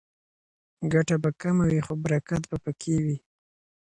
ګټه به کمه وي خو برکت به پکې وي.